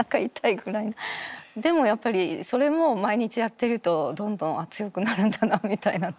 でもやっぱりそれも毎日やってるとどんどんあっ強くなるんだなみたいな。